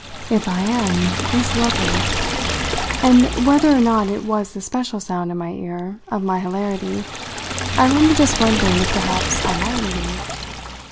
"'If I am' is lovely!" And whether or not it was the special sound, in my ear, of my hilarity, I remember just wondering if perhaps I mightn't be.